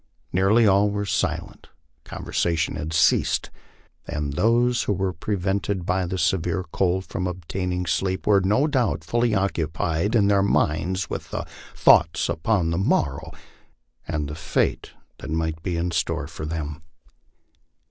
Nearly all were silent; conversation had ceased, and those who were prevented by the severe cold from obtaining sleep were no doubt fully occupied in their minds with thoughts upon the morrow and the fate that might be in store for them.